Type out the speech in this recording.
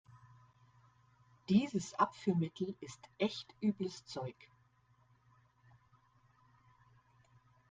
Dieses Abführmittel ist echt übles Zeug.